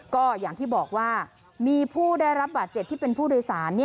ก็อย่างที่บอกว่ามีผู้ได้รับบาดเจ็บที่เป็นผู้โดยสาร